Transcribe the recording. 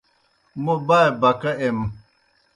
موْ بائے بکہ ایئم۔